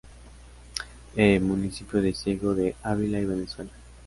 E: municipio de Ciego de Ávila y Venezuela.